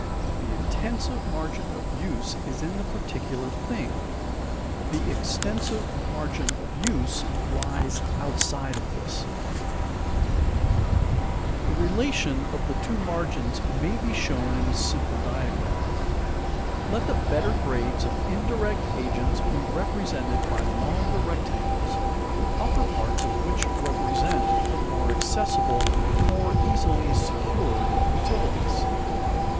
The intensive margin of use is in the particular thing; the extensive margin of use lies outside of this. [Illustration: Extensive Grades of Uses] The relation of the two margins may be shown in a simple diagram. Let the better grades of indirect agents be represented by longer rectangles, the upper parts of which represent the more accessible, more easily secured utilities.